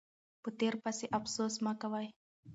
په تیر پسې افسوس مه کوئ.